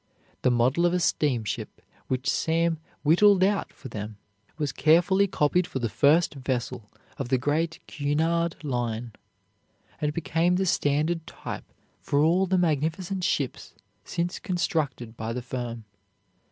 The model of a steamship which Sam whittled out for them was carefully copied for the first vessel of the great Cunard Line, and became the standard type for all the magnificent ships since constructed by the firm.